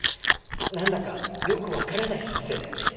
何だかよく分からない先生だよね。